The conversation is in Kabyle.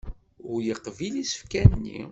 Ur yeqbil isefka-nni.